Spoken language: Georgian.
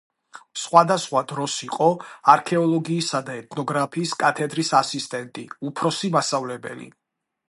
სხვადასხვა დროს იყო არქეოლოგიისა და ეთნოგრაფიის კათედრის ასისტენტი, უფროსი მასწავლებელი.